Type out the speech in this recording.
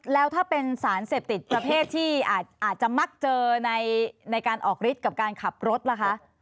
แล้วถ้าเป็นสารเสพติดประเภทที่อาจจะมักเจอในการออกฤทธิ์กับการขับรถล่ะคะ